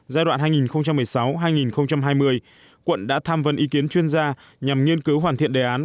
giai đoạn hai nghìn một mươi sáu hai nghìn hai mươi quận đã tham vấn ý kiến chuyên gia nhằm nghiên cứu hoàn thiện đề án